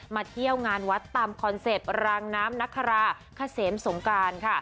เที่ยวงานวัดตามคอนเซ็ปต์รางน้ำนคราเขมสงการค่ะ